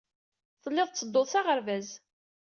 Telliḍ la tettedduḍ s aɣerbaz.